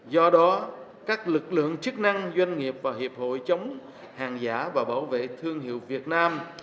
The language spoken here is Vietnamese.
do đó các lực lượng chức năng doanh nghiệp và hiệp hội chống hàng giả và bảo vệ thương hiệu việt nam